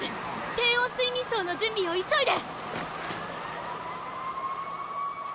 低温睡眠槽の準備を急いで！